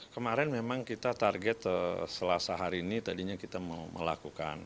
kemarin memang kita target selasa hari ini tadinya kita mau melakukan